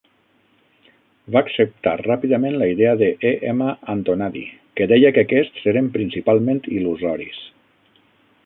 Va acceptar ràpidament la idea d"E. M. Antonadi que deia que aquests eren principalment il·lusoris.